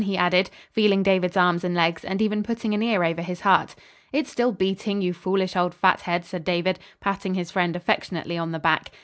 he added, feeling David's arms and legs, and even putting an ear over his heart. "It's still beating, you foolish, old fat head," said David, patting his friend affectionately on the back.